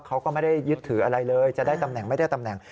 เขาก็ไม่ได้ยึดถืออะไรเลยจะได้ตำแหน่งไม่ได้ตำแหน่ง